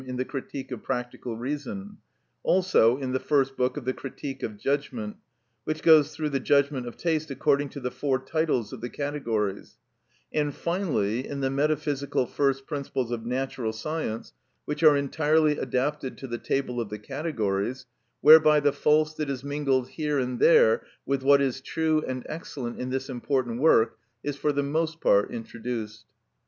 _ in the "Critique of Practical Reason;" also in the first book of the "Critique of Judgment," which goes through the judgment of taste according to the four titles of the categories; and, finally, in the "Metaphysical First Principles of Natural Science," which are entirely adapted to the table of the categories, whereby the false that is mingled here and there with what is true and excellent in this important work is for the most part introduced.